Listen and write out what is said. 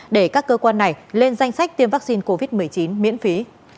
để các cơ quan này lên danh sách tiêm vaccine covid một mươi chín miễn phí